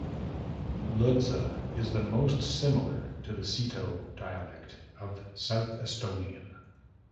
Ludza is the most similar to the Seto dialect of South Estonian.